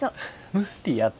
無理やて。